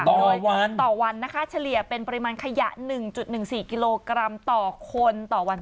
เลยวันต่อวันนะคะเฉลี่ยเป็นปริมาณขยะ๑๑๔กิโลกรัมต่อคนต่อวัน